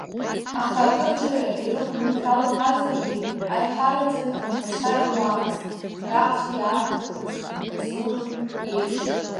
Аха, акырџьара ирықәманшәалахазаргьы, аиҳараӡак анхацәа ируамызт раҳцәа иаарҭахыз рзырутә еиԥш.